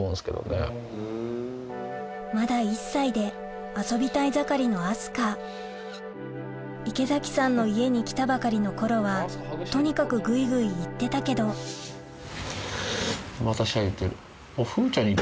まだ１歳で遊びたい盛りの明日香池崎さんの家に来たばかりの頃はとにかくグイグイ行ってたけどまたシャ言ってる。